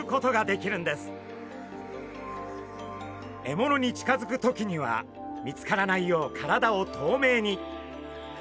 獲物に近づく時には見つからないよう体を透明に。